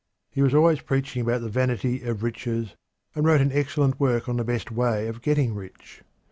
He was always preaching about the vanity of riches, and wrote an excellent work on the best way of getting rich.